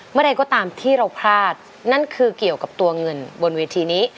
อะไรก็ตามที่เราพลาดนั่นคือเกี่ยวกับตัวเงินบนเวทีนี้